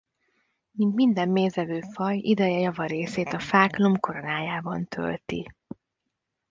Mint minden mézevő faj ideje java részét a fák lombkoronájában tölti.